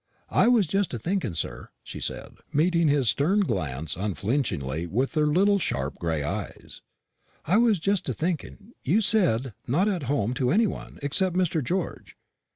"I was just a thinking, sir," she said, meeting his stern glance unflinchingly with her little sharp gray eyes, "I was just a thinking you said not at home to any one, except Mr. George.